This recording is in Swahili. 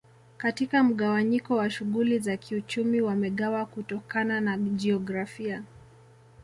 Katika mgawanyiko wa shughuli za kiuchumi wamegawa kutokana na jiografia